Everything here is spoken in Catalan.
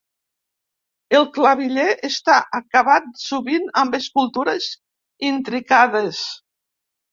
El claviller està acabat sovint amb escultures intricades.